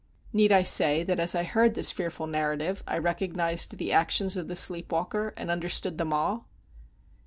Need I say that as I heard this fearful narrative, I recognized the actions of the sleep walker, and understood them all?